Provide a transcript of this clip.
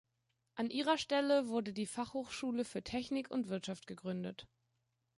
An ihrer Stelle wurde die Fachhochschule für Technik und Wirtschaft gegründet.